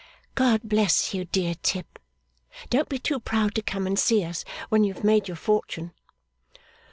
'God bless you, dear Tip. Don't be too proud to come and see us, when you have made your fortune.